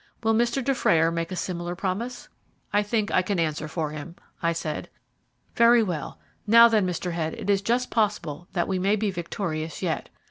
"Will Mr. Dufrayer make a similar promise?" "I think I can answer for him," I said. "Very well. Now, then, Mr. Head, it is just possible that we may be victorious yet.